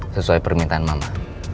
sesuai permintaan mama